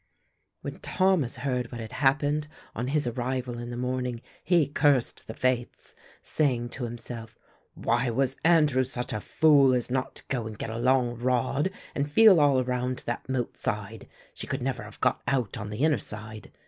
When Thomas heard what had happened on his arrival in the morning he cursed the fates, saying to himself, "Why was Andrew such a fool as not to go and get a long rod and feel all around that moat side. She could never have got out on the inner side.